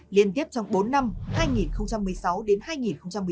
liên tiếp trong các giai đoạn việt nam đã tăng gấp đôi đạt tám hai một năm